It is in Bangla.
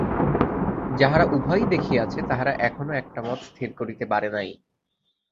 যাহারা উভয়ই দেখিয়াছে, তাহারা এখনও একটা মত স্থির করিতে পারে নাই।